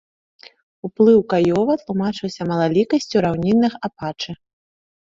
Уплыў каёва тлумачыўся малалікасцю раўнінных апачы.